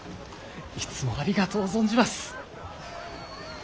いつもありがとう存じます。